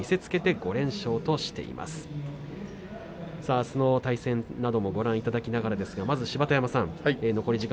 あすの対戦などもご覧いただきながらですが芝田山さん